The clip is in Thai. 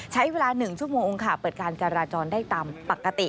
ใช้เวลา๑ชั่วโมงค่ะเปิดการจราจรได้ตามปกติ